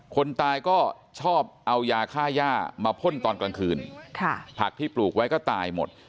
คนตายก็ชอบเอายาค่าย่ามาพ่นตอนกลางคืนผักที่ปลูกไว้ก็ตายหมด